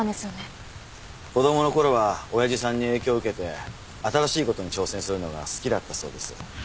子供の頃は親父さんに影響を受けて新しい事に挑戦するのが好きだったそうです。